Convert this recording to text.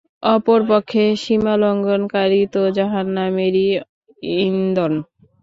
অপরপক্ষে সীমালংঘনকারী তো জাহান্নামেরই ইন্ধন!